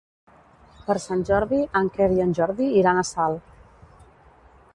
Per Sant Jordi en Quer i en Jordi iran a Salt.